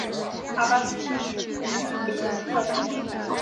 拉巴斯蒂德克莱蒙。